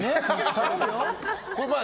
頼むよ。